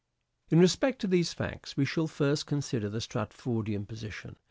In respect to these facts we shall first consider the A Stratfordian position.